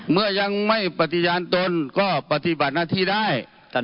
เมื่อยังไม่ปฏิญาณตนก็ปฏิบัติหน้าที่ได้